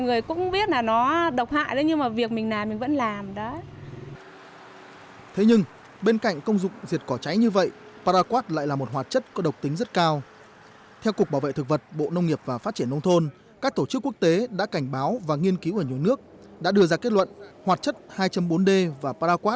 nói chung là biết là độc hại nhưng vẫn phải làm bởi vì mình là lông dân mà không tránh được các cái đấy cho nên là vẫn phải làm